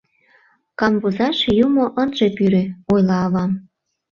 — Камвозаш юмо ынже пӱрӧ! — ойла авам.